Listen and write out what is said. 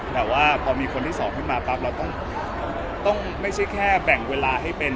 แต่ว่าพอมีคนที่สองขึ้นมาปั๊บเราต้องไม่ใช่แค่แบ่งเวลาให้เป็น